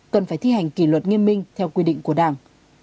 cần phải thi hành kỷ luật nghiêm minh theo quy định của đảng